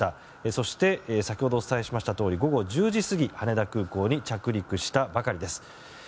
そして、先ほどお伝えしたとおり午後１０時過ぎ、羽田空港に着陸したばかりです。